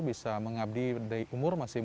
bisa mengabdi dari umur masih